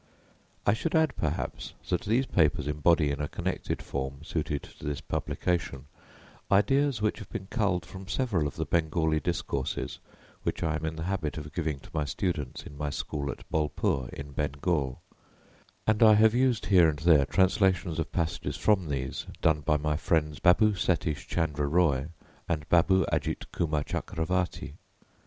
I should add perhaps that these papers embody in a connected form, suited to this publication, ideas which have been culled from several of the Bengali discourses which I am in the habit of giving to my students in my school at Bolpur in Bengal; and I have used here and there translations of passages from these done by my friends, Babu Satish Chandra Roy and Babu Ajit Kumar Chakravarti.